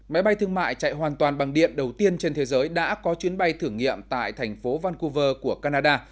máy bay thương mại chạy hoàn toàn bằng điện đầu tiên trên thế giới đã có chuyến bay thử nghiệm tại thành phố vancouver của canada